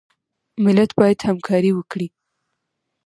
ملت باید همکاري وکړي